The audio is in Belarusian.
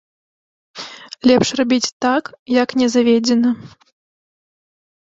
Лепш рабіць так, як не заведзена.